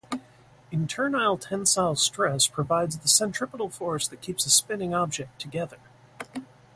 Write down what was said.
Internal tensile stress provides the centripetal force that keeps a spinning object together.